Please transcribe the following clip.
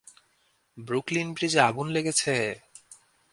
Brooklyn ব্রিজে আগুন লেগেছে।